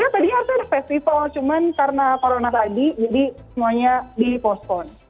sebenarnya tadi ada festival cuma karena corona tadi jadi semuanya dipostpon